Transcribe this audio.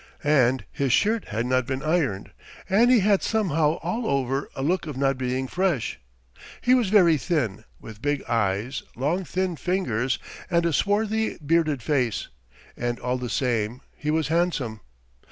And his shirt had not been ironed and he had somehow all over a look of not being fresh. He was very thin, with big eyes, long thin fingers and a swarthy bearded face, and all the same he was handsome.